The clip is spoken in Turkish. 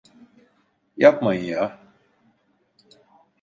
Yapmayın ya.